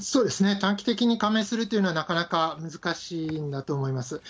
短期的に加盟するというのはなかなか難しいんだと思います。